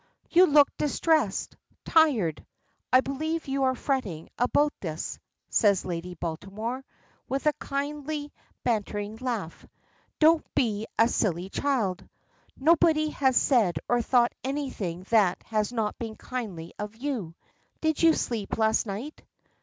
"You look distressed, tired. I believe you are fretting about this," says Lady Baltimore, with a little kindly bantering laugh. "Don't be a silly child. Nobody has said or thought anything that has not been kindly of you. Did you sleep last night?